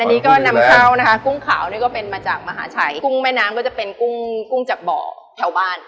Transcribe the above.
อันนี้ก็นำเข้านะคะกุ้งขาวนี่ก็เป็นมาจากมหาชัยกุ้งแม่น้ำก็จะเป็นกุ้งกุ้งจากบ่อแถวบ้าน